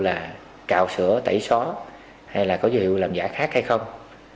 là cào sửa tẩy xó hay là có dấu hiệu làm giả khác hay không